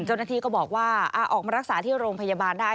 เจ้าหน้าที่ก็บอกว่าออกมารักษาที่โรงพยาบาลได้